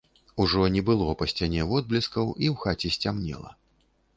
Ужо не было па сцяне водблескаў, і ў хаце сцямнела.